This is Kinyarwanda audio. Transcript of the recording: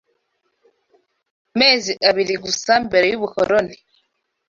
amezi abiri gusa mbere y’ ubukoroni